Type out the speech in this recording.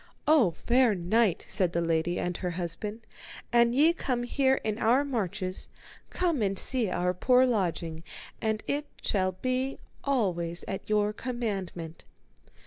O fair knight, said the lady and her husband, an ye come here in our marches, come and see our poor lodging, and it shall be always at your commandment.